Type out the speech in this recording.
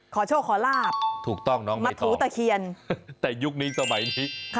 ขอโชคขอลาบถูกต้องน้องมาถูตะเคียนแต่ยุคนี้สมัยนี้